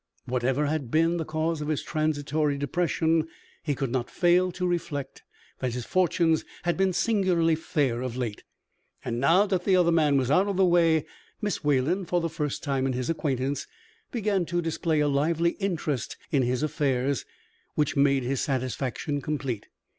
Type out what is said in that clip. Whatever had been the cause of his transitory depression, he could not fail to reflect that his fortunes had been singularly fair of late; and now that the other man was out of the way, Miss Wayland, for the first time in his acquaintance, began to display a lively interest in his affairs, which made his satisfaction complete.